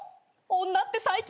女って最強。